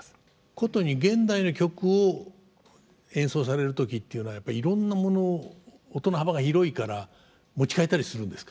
殊に現代の曲を演奏される時っていうのはやっぱりいろんなものを音の幅が広いから持ち替えたりするんですか？